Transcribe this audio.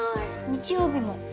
日曜日も。